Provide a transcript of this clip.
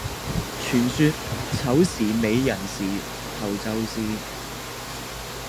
傳說丑時尾寅時頭就是